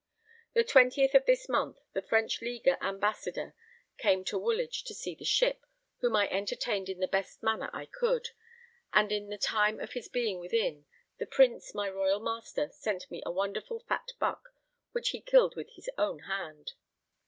The 20th of this month, the French Leaguer Ambassador came to Woolwich, to see the ship, whom I entertained in the best manner I could; and in the time of his being within, the Prince, my royal master, sent me a wonderful fat buck which he killed with his own hand.